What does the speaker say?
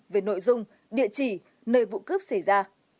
về nội dung địa chỉ nơi vụ cướp xảy ra